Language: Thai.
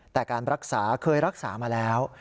แต่การรักษาเคยรักษามาแล้ว